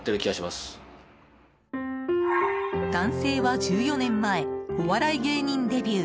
男性は１４年前お笑い芸人デビュー。